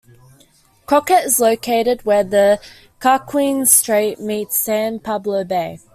Crockett is located where the Carquinez Strait meets San Pablo Bay.